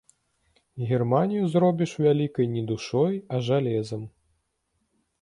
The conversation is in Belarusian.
Германію зробіш вялікай не душой, а жалезам.